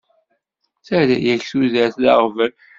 Terra-yak tudert d aɣbel.